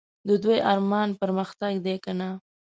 د دوی ارمان پرمختګ دی که نه ؟